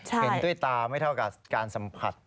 เห็นด้วยตาไม่เท่ากับการสัมผัส